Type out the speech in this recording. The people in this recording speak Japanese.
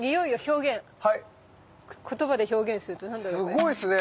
すごいっすね。